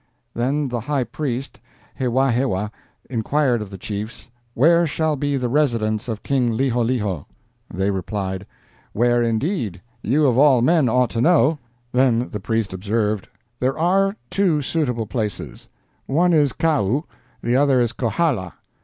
"Then the high priest, Hewahewa, inquired of the chiefs, 'Where shall be the residence of King Liholiho?' They replied, 'Where indeed? You, of all men, ought to know.' Then the priest observed, 'There are two suitable places—one is Kau, the other is Kohala.'